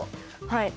はい。